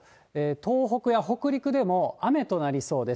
東北や北陸でも雨となりそうです。